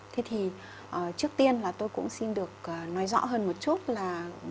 thế thì trước tiên là tôi cũng xin được nói rõ hơn một chút là